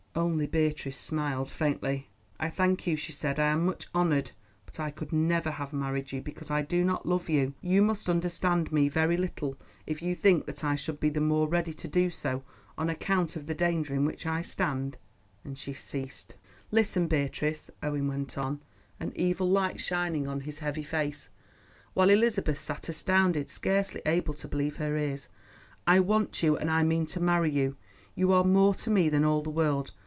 Only Beatrice smiled faintly. "I thank you," she said. "I am much honoured, but I could never have married you because I do not love you. You must understand me very little if you think that I should be the more ready to do so on account of the danger in which I stand," and she ceased. "Listen, Beatrice," Owen went on, an evil light shining on his heavy face, while Elizabeth sat astounded, scarcely able to believe her ears. "I want you, and I mean to marry you; you are more to me than all the world.